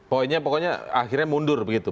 poinnya pokoknya akhirnya mundur begitu